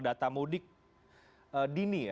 data mudik dini